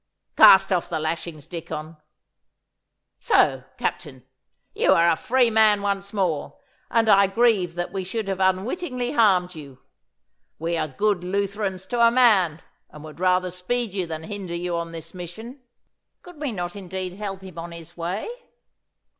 Cast off the lashings, Dicon. So, Captain, you are a free man once more, and I grieve that we should have unwittingly harmed you. We are good Lutherans to a man, and would rather speed you than hinder you on this mission.' 'Could we not indeed help him on his way!